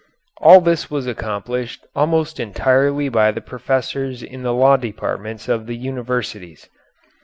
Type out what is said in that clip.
All this was accomplished almost entirely by the professors in the law departments of the universities.